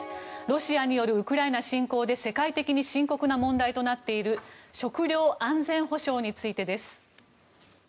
ロシアによるウクライナ侵攻で世界的に深刻な問題となっている食料安全保障についてです。